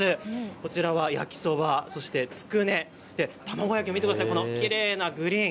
こちらは焼きそば、そしてつくね、卵焼きも見てください、きれいなグリーン。